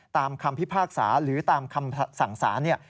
ตามคำพิพากษาหรือตามคำสั่งศาล